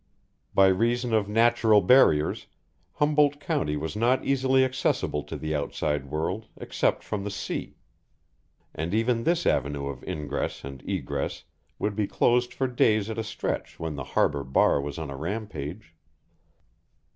By reason of natural barriers, Humboldt County was not easily accessible to the outside world except from the sea, and even this avenue of ingress and egress would be closed for days at a stretch when the harbour bar was on a rampage.